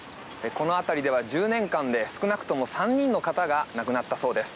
この辺りでは１０年間で少なくとも３人の方が亡くなったそうです。